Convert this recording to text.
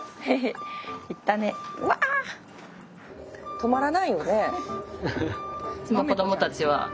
止まらないよね。